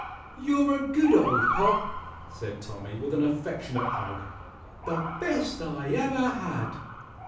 "You're a good old pop!" said Tommy, with an affectionate hug. "_The best I ever had!